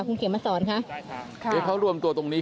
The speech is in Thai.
คุณเขียนมาสอนค่ะใช่ค่ะเอ๊ะเขารวมตัวตรงนี้